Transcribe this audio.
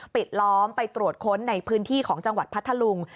ปิดล้อมไปตรวจค้นในพื้นที่ของจังหวัดพัทธลุง